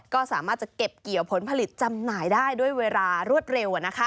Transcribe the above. ก็สามารถจะเก็บเกี่ยวผลผลิตจำหน่ายได้ด้วยเวลารวดเร็ว